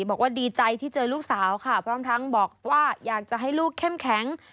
บอกว่าดีใจที่เจอลูกสาวค่ะพร้อมทั้งบอกว่าอยากจะให้ลูกเข้มแข็ง